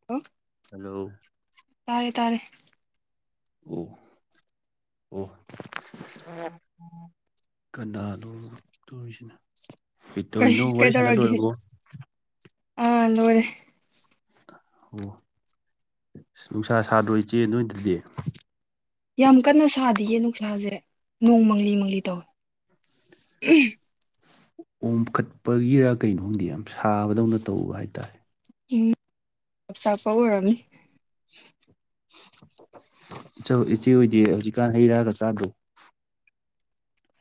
[unintelligible] hello ꯇꯥꯔꯦ ꯇꯥꯔꯦ [unintelligible] ꯑꯣ ꯀꯅꯥꯅꯣ ꯇꯨꯔꯤꯁꯤꯅ ꯀꯩ ꯇꯧꯔꯤꯅꯣ ꯋꯥꯔꯤ ꯁꯥꯟꯅ ꯂꯣꯏꯔꯕꯣ ꯑꯥ ꯂꯣꯏꯔꯦ ꯑꯣ ꯁꯁ ꯅꯨꯡꯁꯥ ꯁꯥꯗ꯭ꯔꯣ ꯏꯆꯦ ꯅꯣꯏꯗꯗꯤ ꯌꯥꯝ ꯀꯟꯅ ꯁꯥꯗꯤꯌꯦ ꯅꯨꯡꯁꯥꯖꯦ ꯅꯣꯡ ꯃꯪꯂꯤ ꯃꯪꯂꯤ ꯇꯧꯋꯤ ꯎꯝ ꯑꯣꯝꯈꯠꯄꯒꯤꯔ ꯀꯩꯅꯣꯝꯗꯤ ꯌꯥꯝ ꯁꯥꯕꯗꯧꯅ ꯇꯧꯕ ꯍꯥꯏꯇꯥꯔꯦ ꯎꯝ ꯑꯣꯝꯆꯥꯛꯄ ꯑꯣꯏꯔꯝꯅꯤ ꯏꯆꯧ ꯏꯆꯦ ꯍꫭꯏꯗꯤ ꯍꯧꯖꯤꯛꯀꯥꯟ ꯍꯩ ꯔꯥꯒ ꯆꯥꯗ꯭ꯔꫭ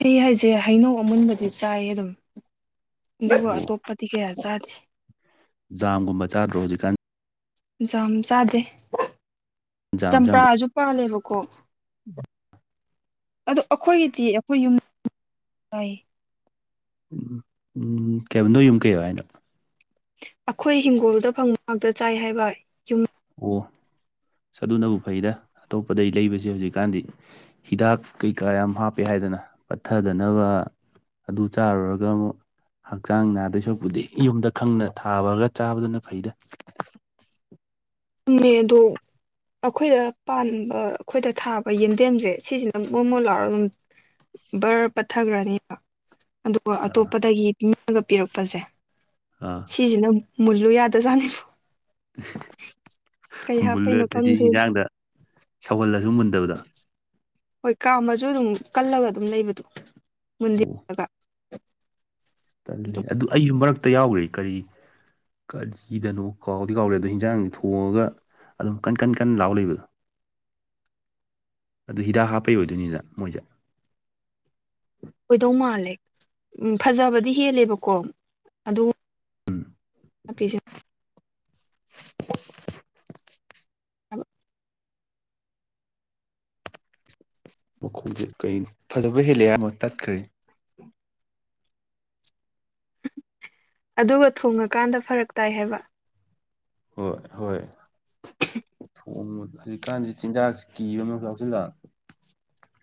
ꯍꯩ ꯍꯥꯏꯖꯦ ꯍꯩꯅꯧ ꯑꯃꯨꯟꯕꯗꯤ ꯆꯥꯏꯌꯦ ꯑꯗꯨꯝ ꯑꯗꯨꯒ ꯑꯣ ꯑꯇꯣꯞꯄꯗꯤ ꯀꯌꯥ ꯆꯥꯗꯦ ꯖꯥꯝꯒꯨꯝꯕ ꯆꯥꯗ꯭ꯔꯣ ꯍꯧꯖꯤꯛꯀꯥꯟ ꯖꯥꯝ ꯆꯥꯗꯦ ꯖꯥꯝꯁꯨ ꯌꯥꯝ ꯆꯝꯄ꯭ꯔꯥꯖꯨ ꯄꯥꯜꯂꯦꯕꯀꯣ ꯑꯗꯣ ꯑꯈꯣꯏꯒꯤꯗꯤ ꯑꯈꯣꯏ ꯌꯨꯝ ꯄꯥꯏ ꯎꯝ ꯎꯝ ꯀꯩꯍꯥꯏꯕ ꯅꯣꯏꯌꯨꯝ ꯀꯩꯕ ꯍꯥꯏꯅꯣ ꯑꯈꯣꯏ ꯍꯤꯡꯒꯣꯜꯗ ꯐꯪꯕ ꯉꯥꯛꯇ ꯆꯥꯏ ꯍꯥꯏꯕ ꯌꯨꯝ ꯑꯣ ꯑꯗꯨꯅꯕꯨ ꯐꯩꯗ ꯑꯇꯣꯞꯄꯗꯩ ꯂꯩꯕꯖꯦ ꯍꯧꯖꯤꯛꯀꯥꯟꯗꯤ ꯍꯤꯗꯥꯛ ꯀꯩꯀꯥ ꯌꯥꯝ ꯍꯥꯞꯄꯦ ꯍꯥꯏꯗꯅ ꯄꯠꯊꯗꯅꯕ ꯑꯗꯨ ꯆꯥꯔꯨꯔꯒ ꯑꯃꯨꯛ ꯍꯛꯆꯥꯡ ꯅꯥꯗꯣꯏ ꯁꯔꯨꯛ ꯄꯨꯗꯤ ꯌꯨꯝꯗ ꯈꯪꯅ ꯊꯥꯕꯒ ꯆꯥꯕꯗꯨꯅ ꯐꯩꯗ ꯎꯝꯃꯦ ꯑꯗꯣ ꯑꯩꯈꯣꯏꯗ ꯄꯥꯟꯕ ꯑꯩꯈꯣꯏꯗ ꯊꯥꯕ ꯌꯦꯟꯗꯦꯝꯁꯦ ꯁꯤꯁꯤꯅ ꯃꯣꯃꯣꯟ ꯂꯥꯎꯔꯒ ꯑꯗꯨꯝ ꯕꯔ ꯄꯠꯊꯒ꯭ꯔꯅꯤ ꯑꯗꯨꯒ ꯑꯇꯣꯞꯄꯗꯒꯤ ꯃꯤꯅꯒ ꯄꯤꯔꯛꯄꯁꯦ ꯑꯥ ꯁꯤꯁꯤꯅ ꯃꯨꯜꯂꯨ ꯌꯥꯗ ꯆꯥꯅꯤꯕꯨ ꯀꯩ ꯍꯥꯞꯄꯩꯅꯣ ꯃꯨꯜꯂꯦꯇꯗꯤ ꯈꯪꯗꯦꯅ ꯌꯦꯟꯖꯥꯡꯗ ꯁꯧꯍꯜꯂꯁꯨ ꯃꯨꯟꯗꯕꯗꯣ ꯍꯣꯏ ꯀꯥꯝꯃꯁꯨ ꯑꯗꯨꯝ ꯀꯜꯂꯒ ꯑꯗꯨꯝ ꯂꯩꯕꯗꯣ ꯑꯣ ꯃꯨꯟꯗꯦꯔꯒ ꯇꯜꯂꯤ ꯑꯗꯨꯝ ꯑꯗꯨ ꯑꯩꯁꯨ ꯃꯔꯛꯇ ꯌꯥꯎꯒ꯭ꯔꯦ ꯀꯔꯤ ꯀꯔꯤꯗꯅꯣ ꯀꯥꯎꯗꯤ ꯀꯥꯎꯔꯦ ꯑꯗꯣ ꯍꯤꯟꯖꯥꯡꯗꯤ ꯊꯣꯡꯉꯒ ꯑꯗꯨꯝ ꯀꯟ ꯀꯟ ꯀꯟꯅ ꯂꯥꯎ ꯂꯩꯕꯗꯣ ꯑꯗꯨ ꯍꯤꯗꯥꯛ ꯍꯥꯞꯄꯩ ꯑꯣꯏꯗꯣꯏ ꯅꯤꯗꯅ ꯃꯣꯏꯁꯦ ꯑꯣꯏꯗꯧ ꯃꯥꯜꯂꯦ ꯎꯝ ꯐꯖꯕꯗꯤ ꯍꯦꯜꯂꯦꯕꯀꯣ ꯑꯗꯨ ꯄꯤꯖꯦ [unintelligible] ꯃꯈꯣꯡꯁꯦ ꯀꯩ ꯐꯖꯕ ꯍꯦꯜꯂꯦ ꯍꯥꯏꯔꯝꯃꯥ ꯑꯃꯨꯛ ꯇꯠꯈ꯭ꯔꯦ ꯑꯗꯨꯒ ꯊꯣꯡꯉꯀꯥꯟꯗ ꯐꯔꯛ ꯇꯥꯏ ꯍꯥꯏꯕ ꯍꯣꯏ ꯍꯣꯏ ꯊꯣꯡꯕ ꯍꯧꯖꯤꯛꯀꯥꯟꯁꯤ ꯆꯤꯟꯖꯥꯛꯁꯤ ꯀꯤꯕ ꯑꯃ ꯌꯥꯎꯁꯤꯜꯂꯛ ꯎꯝꯅꯦ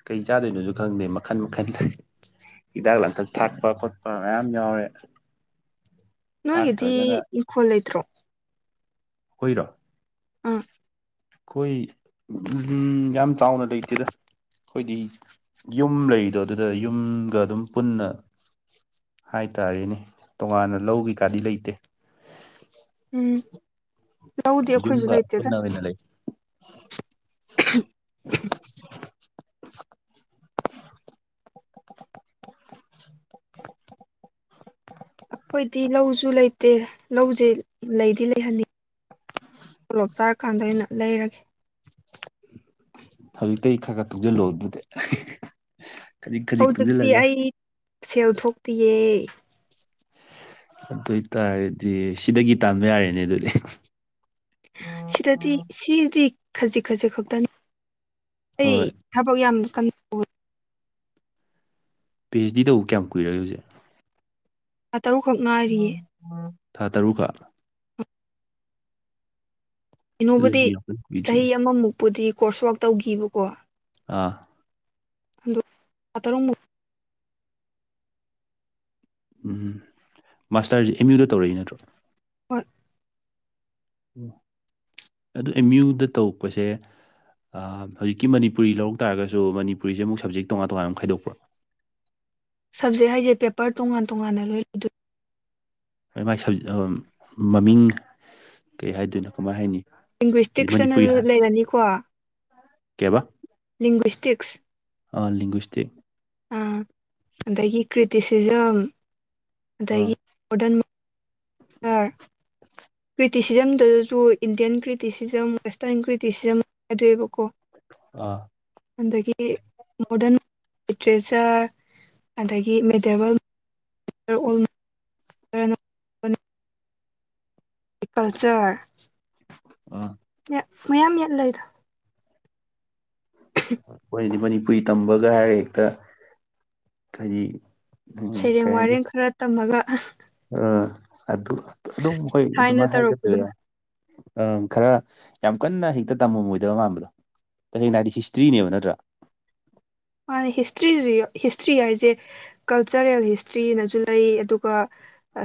ꯀꯩ ꯆꯥꯗꯣꯏꯅꯣꯁꯨ ꯈꯪꯗꯦ ꯃꯈꯟ ꯃꯈꯟ ꯍꯤꯗꯥꯛ ꯂꯥꯡꯊꯛ ꯊꯥꯛꯄ ꯀꯣꯠꯄ ꯃꯌꯥꯝ ꯌꯥꯎꯔꯦ ꯅꯣꯏꯒꯤꯗꯤ ꯊꯥꯛꯇ꯭ꯔꯒꯅ ꯏꯪꯈꯣꯜ ꯂꯩꯇ꯭ꯔꯣ ꯈꯣꯏꯔꯣ ꯑꯥ ꯑꯩꯈꯣꯏ ꯌꯥꯝ ꯆꯥꯎꯅ ꯂꯩꯇꯦꯗ ꯑꯩꯈꯣꯏꯗꯤ ꯌꯨꯝ ꯂꯩꯗꯣ ꯑꯗꯨꯗ ꯌꯨꯝꯒ ꯑꯗꯨꯝ ꯄꯨꯟꯅ ꯍꯥꯏꯇꯥꯔꯦꯅꯦ ꯇꯣꯉꯥꯟꯅ ꯂꯧꯒꯤ ꯀꯥꯗꯤ ꯂꯩꯇꯦ ꯎꯝ ꯂꯧꯗꯤ ꯈꫭꯏꯁꯨ ꯌꯨꯝꯒ ꯂ‌ꯩꯇ‌ꯦꯗ ꯄꯨꯟꯅ ꯑꯣꯏꯅ ꯂꯩ ꯑꯩꯈꯣꯏꯗꯤ ꯂꯧꯁꯨ ꯂꯩꯇꯦ ꯂꯧꯁꯦ ꯂꯩꯗꯤ ꯂꯩꯍꯟꯅꯤꯡꯉꯤ ꯇꯣꯂꯣꯞ ꯆꯥꯔ ꯀꯥꯟꯗ ꯑꯩꯅ ꯂꯩꯔꯒꯦ ꯍꯧꯖꯤꯛꯇꯤ ꯈꯔ ꯈꯔ ꯊꯨꯡꯖꯤꯜꯂꯣ ꯑꯗꯨꯗꯤ ꯈꯖꯤꯛ ꯈꯖꯤꯛ ꯍꯧꯖꯤꯛꯇꯤ ꯇꯨꯡꯁꯤꯜꯂꯒ ꯑꯩ ꯁꯦꯜ ꯊꯣꯛꯇꯤꯌꯦ ꯑꯗꯨꯏꯇꯥꯔꯗꯤ ꯁꯤꯗꯒꯤ ꯇꯥꯟꯕ ꯌꯥꯔꯦꯅꯦ ꯑꯗꯨꯗꯤ ꯁꯤꯗꯗꯤ ꯁꯤꯗꯤ ꯈꯖꯤꯛ ꯈꯖꯤꯛ ꯈꯛꯇꯅꯤ ꯑꯩ ꯍꯣꯏ ꯊꯕꯛ ꯌꯥꯝ ꯀꯟ ꯄꯤ ꯍ ꯗꯤ ꯇꯧꯕ ꯀꯌꯥꯝ ꯀꯨꯏꯔꯒꯦ ꯍꯧꯖꯤꯛ ꯊꯥꯥ ꯇꯔꯨꯛꯈꯛ ꯉꯥꯏꯔꯤꯌꯦ ꯊꯥ ꯇꯔꯨꯛ ꯀꯥ ꯀꯩꯅꯣꯕꯨꯗꯤ ꯑꯗꯨꯗꯤ ꯌꯥꯝ ꯆꯍꯤ ꯀꯨꯏꯗ꯭ꯔꯤꯅꯦ ꯑꯃꯃꯨꯛꯄꯨꯗꯤ ꯀꯣꯔꯁ ꯋꯥꯛ ꯇꯧꯈꯤꯕꯀꯣ ꯑꯥ ꯗꯣ ꯊꯥ ꯇꯔꯨꯛꯃꯨꯛ ꯎꯝ ꯃꯥꯁꯇꯔꯁꯦ ꯑꯦꯝ ꯌꯨꯗ ꯇꯧꯔꯛꯏ ꯅꯠꯇ꯭ꯔꯣ ꯍꯣꯏ ꯑꯗꯨ ꯑꯦꯝ ꯌꯨꯗ ꯇꯧꯔꯛꯄꯁꯦ ꯍꯧꯖꯤꯛꯀꯤ ꯃꯅꯤꯄꯨꯔꯤ ꯂꯧꯔꯛ ꯇꯥꯔꯒꯁꯨ ꯃꯅꯤꯄꯨꯔꯤꯁꯦ ꯑꯃꯨꯛ ꯁꯞꯖꯦꯛ ꯇꯣꯉꯥꯟ ꯇꯣꯉꯥꯟꯨ ꯈꯥꯏꯗꯣꯛꯄ꯭ꯔꯣ ꯁꯞꯖꯦꯛ ꯍꯥꯏꯁꯦ ꯄꯦꯄꯔ ꯇꯣꯉꯥꯟ ꯇꯣꯉꯥꯟꯅ ꯂꯣꯏ ꯃꯥꯏ ꯁꯞꯖꯦꯛ ꯃꯃꯤꯡ ꯀꯩ ꯍꯥꯏꯗꯣꯏꯅꯣ ꯀꯃꯥꯏ ꯍꯥꯏꯅꯤ ꯂꯤꯡꯒ꯭ꯋꯁꯇꯤꯛꯁ ꯑꯅꯁꯨ ꯂꯩꯔꯅꯤꯀꯣ ꯀꯦꯕ ꯂꯤꯡꯒ꯭ꯋꯁꯇꯤꯛꯁ ꯑ ꯂꯤꯡꯒ꯭ꯋꯤꯁꯇꯤꯛ ꯑꯥ ꯑꯗꯒꯤ ꯀ꯭ꯔꯤꯇꯤꯁꯤꯖꯝ ꯑꯥ ꯑꯗꯒꯤ ꯃꯣꯗꯔꯟ ꯑꯥ ꯀ꯭ꯔꯤꯇꯤꯁꯤꯖꯝꯗꯨꯁꯨ ꯏꯟꯗꯤꯌꯥꯟ ꯀ꯭ꯔꯤꯇꯤꯁꯤꯖꯝ ꯋꯦꯁꯇꯔꯟ ꯀ꯭ꯔꯤꯇꯤꯁꯤꯖꯝ ꯈꯥꯏꯗꯣꯛꯑꯦꯕꯀꯣ ꯑ ꯑꯗꯒꯤ ꯃꯣꯗꯔꯟ ꯂꯤꯇ꯭ꯔꯦꯆꯔ ꯑꯗꯒꯤ ꯃꯦꯇꯦꯕꯜ ꯀꯜꯆꯔ ꯑꯥ ꯃꯌꯥꯝ ꯌꯥꯝ ꯂꯩꯗ ꯑꯩꯈꯣꯏꯅꯗꯤ ꯃꯅꯤꯄꯨꯔꯤ ꯇꯝꯕꯒ ꯍꯥꯏꯔꯒ ꯍꯦꯛꯇ ꯍꯥꯏꯗꯤ ꯎꯝ, ꯁꯩꯔꯦꯡ ꯋꯥꯔꯦꯡ ꯈꯔ ꯇꯝꯃꯒ ꯑꯥ ꯑꯗꯨ ꯑꯗꯨꯝ ꯍꯣꯏ ꯊꯥꯏꯅ ꯑꯗꯨꯃꯥꯏꯅ ꯇꯧꯔꯛꯄꯗꯣ ꯍꯥꯏꯒꯗꯣꯏꯔ ꯑ ꯈꯔ ꯌꯥꯝ ꯀꯟꯅ ꯍꯦꯛꯇ ꯇꯝꯃꯝꯃꯣꯏꯗꯕ ꯃꯥꯟꯕꯗꯣ ꯇꯁꯦꯡꯅ ꯍꯥꯏꯗꯤ ꯍꯤꯁꯇ꯭ꯔꯤꯅꯦꯕ ꯅꯠꯇ꯭ꯔꯥ ꯃꯥꯅꯦ ꯍꯤꯁꯇ꯭ꯔꯤꯁꯨ ꯍꯤꯁꯇ꯭ꯔꯤ ꯍꯥꯏꯁꯦ ꯀꯜꯆꯔꯦꯜ ꯍꯤꯁꯇ꯭ꯔꯤꯅꯁꯨ ꯂꯩ ꯑꯗꯨꯒ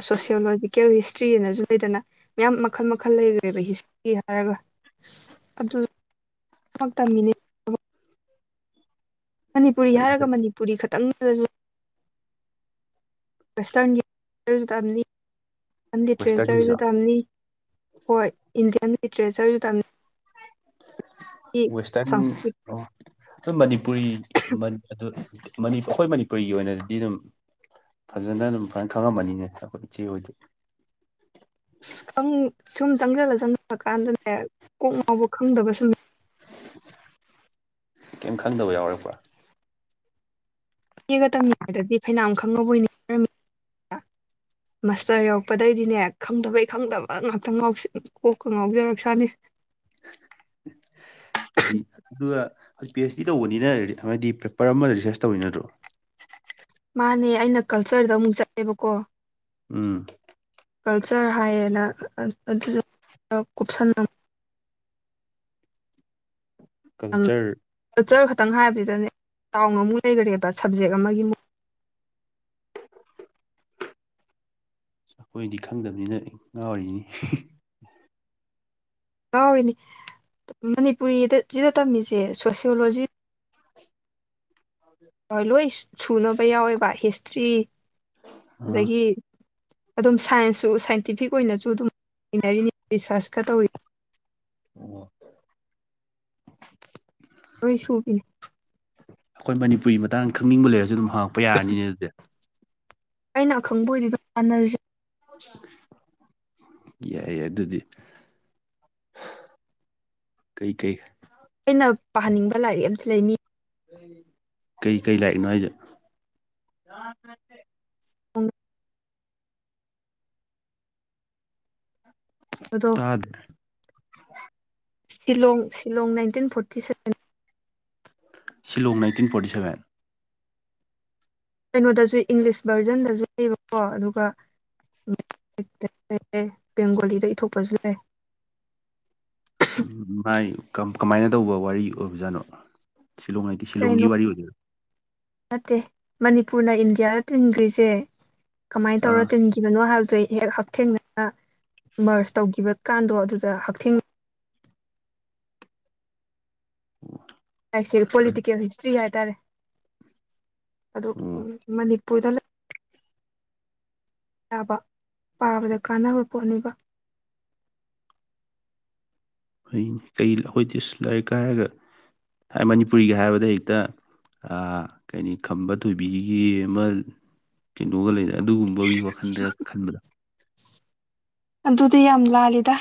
ꯁꯣꯁꯤꯌꯦꯜꯂꯣꯖꯤꯀꯦꯜ ꯍꯤꯁꯇ꯭ꯔꯤꯑꯅꯁꯨ ꯂꯩꯗꯅ ꯃꯌꯥꯝ ꯃꯈꯜ ꯃꯈꯜ ꯂꯩꯈ꯭ꯔꯦꯕ ꯍꯤꯁꯇ꯭ꯔꯤ ꯍꯥꯏꯔꯒ ꯑꯗꯨ ꯇꯝꯃꯤꯅꯤ ꯃꯅꯤꯄꯨꯔꯤ ꯍꯥꯏꯔꯒ ꯃꯅꯤꯄꯨꯔꯤ ꯈꯛꯇꯪꯗꯁꯨ ꯋꯦꯁꯇꯔꯟꯒꯤꯁꯨ ꯇꯝꯅꯤ ꯋꯦꯁꯇꯔꯟꯒꯤꯁꯨ ꯂꯤꯇꯔꯦꯆꯔꯁꯨ ꯇꯝꯅꯤ ꯍꯣꯏ ꯏꯟꯗꯤꯌꯥꯟ ꯂꯤꯇꯔꯦꯆꯔꯁꯨ ꯇꯝꯃꯤ ꯋꯦꯁꯇꯔꯟ ꯁꯪꯁꯀ꯭ꯔꯤꯠ ꯅꯣꯏ ꯃꯅꯤꯄꯨꯔꯤ ꯑꯗꯨ ꯑꯩꯈꯣꯏ ꯃꯅꯤꯄꯨꯔꯤꯒꯤ ꯑꯣꯏꯅꯗꯤ ꯑꯗꯨꯝ ꯐꯖꯅ ꯑꯗꯨꯝ ꯐꯖ ꯈꯪꯉꯝꯃꯅꯤꯅꯦ ꯑꯩꯈꯣꯏ ꯏꯆꯦ ꯍꯣꯏꯗꯤ ꯁꯨꯝ ꯆꯪꯁꯤꯜꯂ ꯆꯪꯁꯤꯜꯂ ꯀꯥꯟꯗꯅꯦ ꯀꯣꯛ ꯉꯥꯎꯕ ꯈꯪꯗꯕ ꯁꯨꯝ ꯀꯩꯝ ꯈꯪꯗꯕ ꯌꯥꯎꯔꯛꯄ꯭ꯔꯥ ꯒ ꯇꯝꯃꯤꯉꯩꯗꯗꯤ ꯐꯩꯅꯥꯝ ꯈꯪꯉꯕꯣꯏ ꯃꯥꯁꯇꯔ ꯌꯧꯔꯛꯄꯗꯩꯗꯤꯅꯦ ꯈꯪꯗꯕꯩ ꯈꯪꯗꯕ ꯉꯥꯛꯇ ꯉꯥꯎꯁꯜ ꯀꫭꯛꯀ ꯉꯥꯎꯖꯔꯛꯁꯥꯅꯤ [inaudible] ꯍꯥꯏꯗꯤ ꯑꯗꯨꯒ ꯄꯤ ꯑꯩꯆ ꯗꯤ ꯇꯧꯕꯅꯤꯅ ꯍꯥꯏꯗꯤ ꯄꯦꯄꯔ ꯑꯃꯗ ꯔꯤꯁꯥꯔꯁ ꯇꯧꯔꯤ ꯅꯠꯇ꯭ꯔꯣ ꯃꯥꯅꯦ ꯑꯩꯅ ꯀꯜꯆꯔꯗ ꯑꯃꯨꯛ ꯆꯠꯂꯦꯕꯀꯣ ꯎꯝ ꯀꯜꯆꯔ ꯍꯥꯏꯌꯦꯅ ꯑꯗꯨꯗ ꯀꯨꯞꯁꯟꯅ ꯀꯜꯆꯔ ꯀꯜꯆꯔ ꯈꯛꯇꯪ ꯍꯥꯏꯕꯁꯤꯗꯅꯦ ꯆꯥꯎꯅ ꯑꯃꯨꯛ ꯂꯩꯈꯔꯦꯕ ꯁꯞꯖꯦꯛ ꯑꯃꯒꯤꯃꯨꯛ ꯑꯩꯈꯣꯏꯗꯤ ꯈꯪꯗꯕꯅꯤꯅ ꯉꯥꯎꯔꯤꯅꯤꯅꯦ ꯉꯥꯎꯔꯤꯅꯤ ꯃꯅꯤꯄꯨꯔꯤꯗ ꯁꯤꯗ ꯇꯝꯃꯤꯁꯦ ꯁꯣꯁꯤꯌꯦꯜꯂꯣꯖꯤ ꯑꯗꯨ [inaudible] ꯂꯣꯏ ꯁꯨꯅꯕ ꯌꯥꯎꯋꯦꯕ ꯍꯤꯁꯇ꯭ꯔꯤ ꯑꯥ ꯑꯗꯒꯤ ꯑꯗꯨꯝ ꯁꯥꯏꯟꯁꯁꯨ ꯁꯥꯏꯟꯇꯤꯐꯤꯛ ꯑꯣꯏꯅꯁꯨ ꯑꯗꯨꯝ ꯏꯅꯔꯤꯅꯤ ꯔꯤꯁꯔꯁꯀ ꯇꯧꯔꯤꯅꯤ ꯑꫭ ꯂꫭꯏ ꯁꯨꯕꯤꯅꯤ ꯑꯩꯈꯣꯏ ꯃꯅꯤꯄꯨꯔꯤꯒꯤ ꯃꯇꯥꯡꯗ ꯈꯪꯅꯤꯡꯕ ꯂꯩꯔꯁꯨ ꯑꯗꯨꯝ ꯍꯪꯉꯛꯄ ꯌꯥꯔꯅꯤꯅꯦ ꯑꯗꯨꯗꯤ ꯑꯩꯅ ꯑꯈꯪꯕ ꯑꯣꯏꯔꯤꯗꯤ ꯇꯥꯟꯅꯔꯁꯦ ꯌꯥꯏꯌꯦ ꯑꯗꯨꯗꯤ ꯀꯩ ꯀꯩ ꯑꯩꯅ ꯄꯥꯍꯟꯅꯤꯡꯕ ꯂꯥꯏꯔꯤꯛ ꯑꯃꯗꯤ ꯂꯩ ꯃꯤ ꯀꯩ ꯀꯩ ꯂꯥꯏꯔꯤꯛꯅꯣ ꯍꯥꯏꯁꯦ ꯑꯃ ꯕꯗꯣ ꯇꯥꯗ꯭ꯔꯦ Shillong Shillong nineteen forty seven Shillong nineteen forty seven ꯀꯩꯅꯣꯗꯁꯨ ꯏꯪꯂꯤꯁ ꯚꯔꯖꯟꯗꯁꯨ ꯂꯩꯕꯀꯣ ꯑꯗꯨꯒ ꯕꯦꯡꯒꯣꯂꯤꯗ ꯏꯊꯣꯛꯄꯁꯨ ꯂꯩ ꯎ ꯃꯥꯏ ꯀꯃꯥꯏꯅ ꯇꯧꯕ ꯋꯥꯔꯤ ꯑꯣꯏꯕꯖꯥꯠꯅꯣ ꯁꯤꯂꯣꯡ ꯍꯥꯏꯗꯤ ꯀꯩꯅꯣ ꯁꯤꯂꯣꯡꯒꯤ ꯋꯥꯔꯤ ꯑꯣꯏꯗꯣꯏꯔꯥ ꯅꯠꯇꯦ ꯃꯅꯤꯄꯨꯔꯅ ꯏꯟꯗꯤꯌꯥꯗ ꯇꯤꯟꯈ꯭ꯔꯤꯁꯦ ꯀꯃꯥꯏꯅ ꯇꯧꯔ ꯑꯥ ꯇꯤꯟꯒꯦ ꯅꯣ ꯍꯥꯏꯕꯗꯨ ꯍꯦꯛ ꯍꯛꯊꯦꯡꯅ ꯃꯔꯁ ꯇꯧꯈꯤꯕ ꯀꯥꯟꯗꯣ ꯑꯗꯨꯗ ꯍꯛꯊꯦꯡ ꯑꯩꯁꯦ ꯄꯣꯂꯤꯇꯤꯀꯦꯜ ꯍꯤꯁꯇ꯭ꯔꯤ ꯍꯥꯏꯇꯥꯔꯦ ꯑꯗꯨ ꯑꯣ ꯎꯝ ꯃꯅꯤꯄꯨꯔ ꯄꯨꯗ ꯄꯥꯕꯗ ꯀꯥꯟꯅꯕ ꯄꯣꯠꯅꯦꯕ ꯀ ꯑꯩꯈꯣꯏꯗꯤ ꯂꯥꯏꯔꯤꯛꯀ ꯍꯥꯏꯔꯒ ꯃꯅꯤꯄꯨꯔꯤꯒ ꯍꯥꯏꯕꯗ ꯍꯦꯛꯇ ꯑꯥ ꯀꯩꯅꯤ ꯈꯝꯕ ꯊꯣꯏꯕꯤꯒꯤ ꯑꯃ ꯀꯩꯅꯣꯒ ꯂꯩꯅ ꯑꯗꯨꯒꯨꯝꯕꯒꯤ ꯋꯥꯈꯜꯗ ꯈꯟꯕꯗꯣ ꯑꯗꯨꯗꯤ ꯌꯥꯝ ꯂꯥꯜꯂꯤꯗ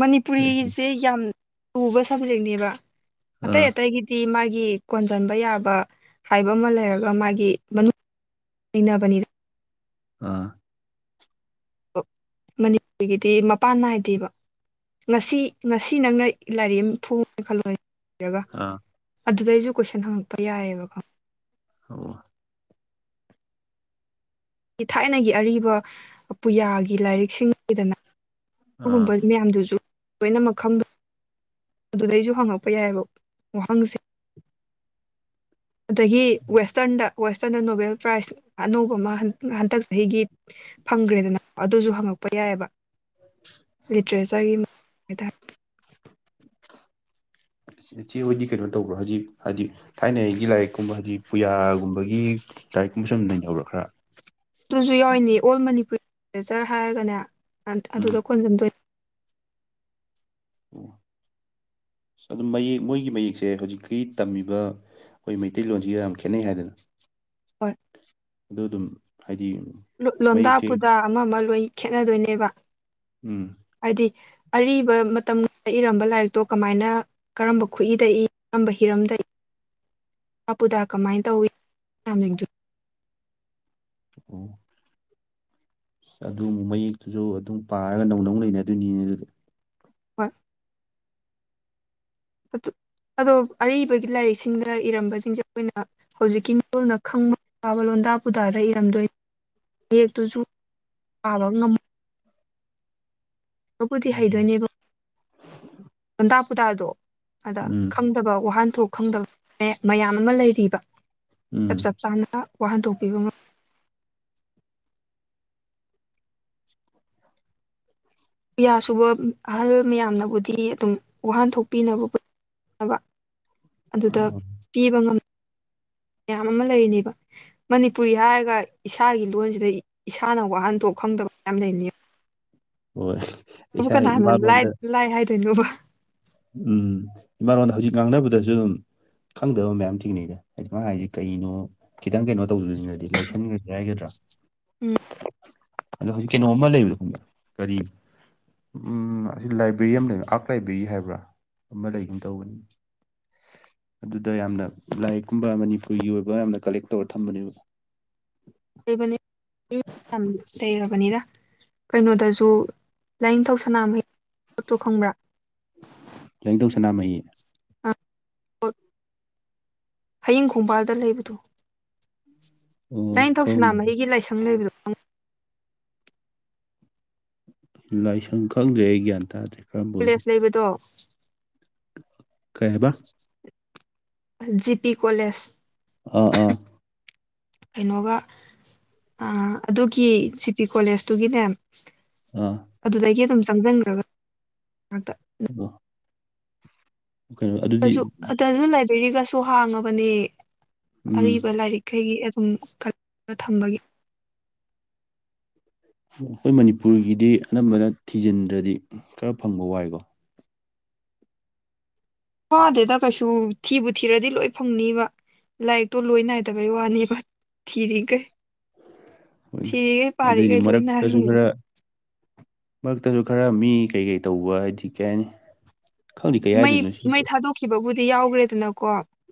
ꯃꯅꯤꯄꯨꯔꯤꯁꯦ ꯌꯥꯝ ꯂꯨꯕ ꯁꯕꯖꯦꯛꯅꯦꯕ ꯑꯇꯩ ꯑꯥ ꯑꯇꯩꯒꯤ ꯗꯤ ꯃꯥꯒꯤ ꯀꯣꯟꯁꯤꯟꯕ ꯌꯥꯕ ꯍꯥꯏꯕ ꯑꯃ ꯂꯩꯔꯒ ꯃꯥꯒꯤ ꯃꯅꯨꯡ ꯏꯟꯅꯕꯅꯤꯗ ꯑꯥ ꯑꯣ ꯃꯅꯤꯄꯨꯔꯒꯤꯗꯤ ꯃꯄꯥꯟ ꯅꯥꯏꯗꯦꯕ ꯉꯁꯤ ꯉꯁꯤ ꯅꯪꯅ ꯂꯥꯏꯔꯤꯛ ꯑꯃ ꯊꯣꯡꯉꯦ ꯈꯜꯂꯣꯏ ꯑꯥ ꯑꯗꯨꯗꯩꯁꯨ ꯀꯣꯏꯁꯟ ꯍꯪꯉꯛꯄ ꯌꯥꯏꯑꯕꯀꯣ ꯑꯣ ꯊꯥꯏꯅꯒꯤ ꯑꯔꯤꯕ ꯄꯨꯌꯥꯒꯤ ꯂꯥꯏꯔꯤꯛꯁꯤꯡ ꯂꯩꯗꯅ ꯑꯥ ꯎꯝꯕ ꯃꯌꯥꯝꯗꯨꯁꯨ ꯂꯣꯏꯅꯃꯛ ꯈꯪꯗ ꯑꯗꯨꯗꯩꯁꯨ ꯍꯪꯉꯛꯄ ꯌꯥꯏꯑꯕ ꯋꯥꯍꯪꯁꯦ ꯑꯗꯒꯤ ꯋꯦꯁꯇ꯭ꯔꯟꯗ ꯋꯦꯁꯇ꯭ꯔꯟꯗ ꯅꯣꯕꯦꯜ ꯄ꯭ꯔꯥꯏꯖ ꯑꯅꯧꯕ ꯑꯃ ꯍꯟꯗꯛ ꯆꯍꯤꯒꯤ ꯐꯪꯈ꯭ꯔꯦꯗꯅ ꯑꯗꯨꯁꯨ ꯍꯪꯉꯛꯄ ꯌꯥꯏꯑꯕ ꯂꯤꯇꯔꯦꯆꯔꯒꯤ ꯍꯥꯏꯇꯥꯔꯦ [inaudible] ꯁꯤꯆꯦ ꯍꯣꯏꯗꯤ ꯀꯩꯅꯣ ꯇꯧꯕ꯭ꯔꯣ ꯍꯧꯖꯤꯛ ꯍꯥꯏꯗꯤ ꯊꯥꯏꯅꯒꯤ ꯂꯥꯏꯔꯤꯛꯀꯨꯝꯕ ꯍꯥꯏꯗꯤ ꯄꯨꯌꯥꯒꯨꯝꯕꯒꯤ ꯇꯥꯔꯤꯛ ꯀꯨꯝꯕ ꯁꯨ ꯅꯩꯅꯕꯔ ꯈꯔ ꯑꯗꯨꯁꯨ ꯌꯥꯎꯏꯅꯦ ꯑꯣꯜ ꯃꯅꯤꯄꯨꯔꯤ ꯔꯦꯆꯔ ꯍꯥꯏꯔꯒꯅꯦ ꯎꯝ ꯑꯗꯨꯗ ꯈꯣꯟꯖꯗꯣꯏ ꯑꯣ ꯑꯁ ꯑꯗꯨ ꯃꯌꯦꯛ ꯃꯣꯏꯒꯤ ꯃꯌꯦꯛꯁꯦ ꯍꯧꯖꯤꯛꯀꯤ ꯇꯝꯃꯤꯕ ꯑꯩꯈꯣꯏ ꯃꯩꯇꯩꯂꯣꯟꯁꯤꯒ ꯌꯥꯝ ꯈꯦꯠꯅꯩ ꯍꯥꯏꯗꯅ ꯍꯣꯏ ꯑꯗ ꯑꯗꯨꯝ ꯍꯥꯏꯗꯤ ꯂꯣꯟꯗꯥ ꯃꯌꯦꯛꯁꯦ ꯄꯨꯗꯥ ꯑꯃ ꯑꯃ ꯂꯣꯏ ꯈꯦꯠꯅꯗꯣꯏꯅꯦꯕ ꯎꯝ ꯍꯥꯏꯗꯤ ꯑꯔꯤꯕ ꯃꯇꯝꯗ ꯏꯔꯝꯕ ꯂꯥꯏꯔꯤꯛꯇꯣ ꯀꯃꯥꯏꯅ ꯀꯔꯝꯕ ꯈꯨꯏꯗ ꯏ ꯀꯔꯝꯕ ꯍꯤꯔꯝꯗ ꯏ ꯋꯥꯇꯥ ꯄꯨꯗ ꯀꯃꯥꯏꯅ ꯇꯧꯏ ꯃꯤꯡ ꯑꯣ ꯑꯁ ꯑꯗꯨꯨ ꯃꯌꯦꯛꯇꯨꯁꯨ ꯑꯗꯨꯝ ꯄꯥꯔꯒ ꯅꯧꯅ ꯑꯃꯨꯛ ꯂꯩꯅꯗꯣꯏꯅꯤꯅꯦ ꯑꯗꯨꯗ ꯍꯣꯏ ꯑꯗꯣ ꯑꯔꯤꯕꯒꯤ ꯂꯥꯏꯔꯤꯛꯁꯤꯡꯗ ꯏꯔꯝꯕꯁꯤꯡꯁꯦ ꯑꯩꯈꯣꯏꯅ ꯍꯧꯖꯤꯛꯀꯤ ꯃꯔꯣꯜꯅ ꯈꯪꯕꯥꯕ ꯂꯣꯟꯗꯥ ꯄꯨꯗꯥꯗ ꯏꯔꯝꯗꯣꯏꯅꯤ ꯃꯦꯛꯇꯨꯁꯨ ꯄꯥꯕ ꯉꯝꯃ ꯑꯗꯨꯕꯨꯗꯤ ꯍꯩꯏꯗꯣꯏꯅꯦꯕ ꯂꯣꯟꯗꯥ ꯄꯨꯗꯥꯗꯣ ꯑꯗ ꯎꯝ ꯐꯠꯇꯕ ꯋꯥꯍꯟꯊꯣꯛ ꯈꯪꯗꯕ ꯃꯌꯥꯝ ꯑꯃ ꯂꯩꯔꯤꯕ ꯆꯞ ꯎꯝ ꯆ ꯆꯥꯅ ꯋꯥꯍꯟꯊꯣꯛꯄꯤꯕ ꯉꯝ ꯌꯥꯁꯨꯕ ꯑꯍꯜ ꯃꯌꯥꯝꯅꯕꯨꯗꯤ ꯑꯗꯨꯝ ꯋꯥꯍꯟꯊꯣꯛꯄꯤꯅꯕ ꯈꯣꯅꯕ ꯑꯗꯨꯗ ꯄꯤꯕ ꯉꯝ ꯃꯌꯥꯝ ꯑꯃ ꯂꯩꯅꯦꯕ ꯃꯅꯤꯄꯨꯔꯤ ꯍꯥꯏꯔꯒ ꯏꯁꯥꯒꯤ ꯂꯣꯟꯁꯤꯗ ꯏꯁꯥꯅ ꯋꯥꯍꯟꯊꯣꯛ ꯈꯪꯗꯕ ꯃꯌꯥꯝ ꯂꯩꯅꯤ ꯍꯣꯏ ꯕꯨ ꯏꯁꯥ ꯀꯅꯥ ꯍꯥꯟꯅ ꯂ ꯏꯃꯥꯂꯣꯟꯗ ꯂꯥꯏ ꯍꯥꯏꯗꯣꯏꯅꯣꯕ ꯎꯝ ꯏꯃꯥꯂꯣꯟꯣꯟꯗ ꯍꯧꯖꯤꯛ ꯉꯥꯡꯅꯕꯗꯁꯨ ꯑꯗꯨꯝ ꯈꯪꯗꯕ ꯃꯌꯥꯝ ꯊꯦꯡꯅꯩꯗ ꯍꯥꯏꯗꯤ ꯃꯥ ꯍꯥꯏꯔꯤꯁꯦ ꯀꯩꯅꯣ ꯈꯤꯇꯪ ꯀꯩꯅꯣ ꯇꯧꯗꯣꯏꯅꯗꯤ ꯂꯥꯏꯁꯟꯈ꯭ꯔꯁ ꯍꯥꯏꯒꯗ꯭ꯔꯥ ꯎꯝ ꯑꯗ ꯍꯧꯖꯤꯛ ꯀꯩꯅꯣꯝꯃ ꯂꯩꯕꯗꯥ ꯈꯪꯗ ꯀꯔꯤ ꯎꯝ ꯑꯁꯤ ꯂꯥꯏꯕ꯭ꯔꯦꯔꯤ ꯑꯃ ꯂꯩꯕ ꯑꯥꯔꯛ ꯂꯥꯏꯕ꯭ꯔꯦꯔꯤ ꯍꯥꯏꯕ꯭ꯔꯥ ꯑꯃ ꯂꯩꯒꯅ ꯇꯧꯒꯅꯤ ꯑꯗꯨꯗ ꯌꯥꯝꯅ ꯂꯥꯏꯔꯤꯛꯀꯨꯝꯕ ꯃꯅꯤꯄꯨꯔꯒꯤ ꯑꯣꯏꯕ ꯌꯥꯝꯅ ꯀꯂꯦꯛ ꯇꯧꯔ ꯊꯝꯕꯅꯦꯕ ꯑꯩꯕ ꯂꯩꯔꯕꯅꯤꯗ ꯀꯩꯅꯣꯗꯁꯨ ꯂꯥꯏꯅꯤꯡꯊꯧ ꯁꯅꯥꯃꯍꯤ ꯄꯣꯠꯇꯣ ꯈꯪꯕ꯭ꯔꯥ ꯂꯦꯡꯊꯧ ꯁꯅꯥꯃꯍꯤ ꯑ ꯍꯌꯤꯡ ꯈꯣꯡꯕꯥꯜꯗ ꯂꯩꯕꯗꯨ ꯑꯣ ꯈꯪ ꯂꯥꯏꯅꯤꯡꯊꯧꯁꯤꯅꯥꯃꯍꯤꯒꯤ ꯂꯥꯏꯁꯪ ꯂꯩꯕꯗꯣ ꯂꯥꯏꯁꯪ ꯈꯪꯗ꯭ꯔꯦ ꯑꯩ ꯒ꯭ꯌꯥꯟ ꯇꯥꯗ꯭ꯔꯦ ꯀꯔꯝꯕ ꯀꯣꯂꯦꯖ ꯑꯣꯏꯗꯣꯏꯅꯣ ꯂꯩꯕꯗꯣ ꯀꯕꯥ ꯖꯤ ꯄꯤ ꯀꯣꯂꯦꯖ ꯑꯥ ꯑꯥ ꯀꯩꯅꯣꯒ ꯑꯗꯨꯒꯤ ꯖꯤ ꯄꯤ ꯀꯣꯂꯦꯖꯇꯨꯒꯤꯅꯦ ꯑꯥ ꯑꯗꯨꯗꯒꯤ ꯑꯗꯨꯝ ꯆꯪꯁꯤꯟꯈ꯭ꯔꯒ [unintelligible] ꯀꯩ ꯑꯗꯨ ꯑꯗꯨ ꯑꯗꯨꯗꯁꯨ ꯂꯥꯏꯕ꯭ꯔꯦꯔꯤꯒꯁꯨ ꯍꯥꯡꯉꯕꯅꯦ ꯎꯝ ꯑꯔꯤꯕ ꯂꯥꯏꯔꯤꯛ ꯀꯩꯒꯤ ꯑꯗꯨꯝ ꯈ ꯊꯝꯕꯒꯤ ꯑꯩꯈꯣꯏ ꯃꯅꯤꯄꯨꯔꯒꯤꯗꯤ ꯑꯅꯝꯕꯅ ꯊꯤꯖꯤꯟꯗ꯭ꯔꯗꯤ ꯈꯔ ꯐꯪꯕ ꯋꯥꯏꯀꯣ ꯋꯥꯗꯦꯗ ꯀꯩꯁꯨ ꯊꯤꯕꯨ ꯊꯤꯔꯗꯤ ꯂꯣꯏ ꯐꯪꯅꯤꯕ ꯂꯥꯏꯔꯤꯛꯇꯣ ꯂꯣꯏ ꯅꯥꯏꯗꯕꯩ ꯋꯥꯅꯦꯕ ꯊꯤꯔꯤꯈꯩ ꯍꯣꯏ ꯊꯤꯔꯤꯈꯩ ꯑꯗꯨꯏꯗꯤ ꯄꯥꯔꯤꯈꯩ ꯂꯣꯏ ꯃꯔꯛꯇꯁꯨ ꯅꯥꯏꯔꯣꯏ ꯈꯔ ꯃꯔꯛꯇꯁꯨ ꯈꯔ ꯃꯤ ꯀꯩꯀꯩ ꯇꯧꯕ ꯍꯥꯏꯗꯤ ꯀꯩ ꯍꯥꯏꯅꯤ ꯈꯪꯗꯦ ꯀꯩ ꯃꯩ ꯍꯥꯏꯗꯣꯏꯅꯣ ꯁꯤ ꯃꯩ ꯄꯣꯠꯁꯦ ꯊꯥꯗꯣꯛꯈꯤꯕꯕꯨꯗꯤ ꯌꯥꯎꯈ꯭ꯔꯦꯗꯅꯀꯣ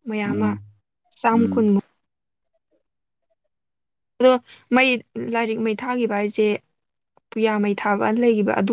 ꯃꯌꯥꯝ ꯑꯃ ꯎꯝ ꯆꯥꯝ ꯎꯝ ꯀꯨꯟꯃꯨꯛ ꯑꯗꯣ ꯃꯩ ꯂꯥꯏꯔꯤꯛ ꯃꯩ ꯊꯥꯈꯤꯕ ꯍꯥꯏꯁꯦ ꯄꯨꯌꯥ ꯃꯩ ꯊꯥꯕꯅ ꯂꯩꯈꯤꯕ ꯑꯗꯨ